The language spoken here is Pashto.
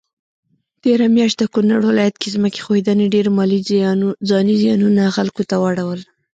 تيره مياشت د کونړ ولايت کي ځمکي ښویدني ډير مالي ځانی زيانونه خلکوته واړول